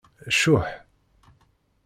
Cuḥ.